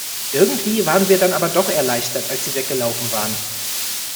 Irgendwie waren wir dann aber doch erleichtert, als sie weggelaufen waren.